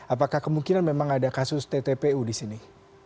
apakah kemungkinan memang ada kasus tppu disini